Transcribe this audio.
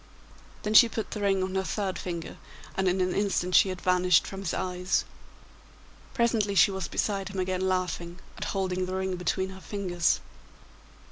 Then she put the ring on her third finger, and in an instant she had vanished from his eyes. Presently she was beside him again laughing, and holding the ring between her fingers.